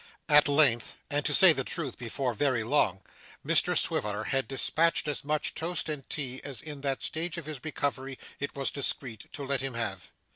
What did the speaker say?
At length and to say the truth before very long Mr Swiveller had despatched as much toast and tea as in that stage of his recovery it was discreet to let him have.